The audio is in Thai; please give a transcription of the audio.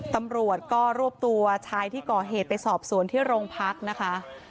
ตำรวจก็รวบตัวชายที่ก่อเหตุไปสอบสวนที่โรงพักนะคะ